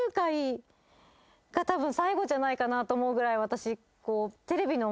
たぶん最後じゃないかなと思うぐらい私。